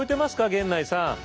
源内さん。